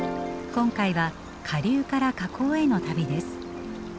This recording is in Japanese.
今回は下流から河口への旅です。